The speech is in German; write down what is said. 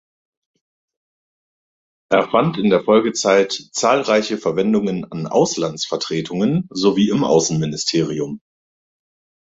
Er fand in der Folgezeit zahlreiche Verwendungen an Auslandsvertretungen sowie im Außenministerium.